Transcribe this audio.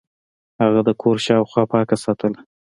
هغه د کور شاوخوا پاکه ساتله.